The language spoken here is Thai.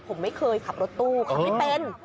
ผมไม่เคยขับรถตู้ขับไม่เป็น